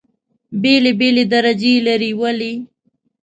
بېلې بېلې درجې لري. ولې؟